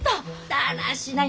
だらしない！